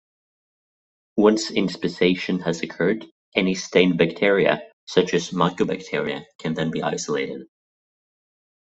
Once inspissation has occurred., any stained bacteria, such as Mycobacteria, can then be isolated.